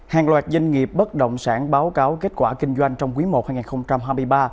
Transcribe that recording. hàng loạt doanh nghiệp bất động sản báo cáo kết quả kinh doanh trong quý i hai nghìn hai mươi ba